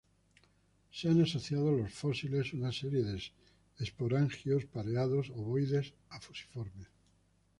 Se han asociado a los fósiles una serie de esporangios pareados ovoides a fusiformes.